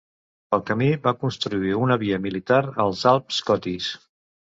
Pel camí va construir una via militar als Alps Cotis.